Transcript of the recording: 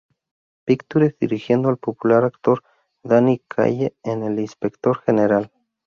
Pictures dirigiendo al popular actor Danny Kaye en "El inspector general".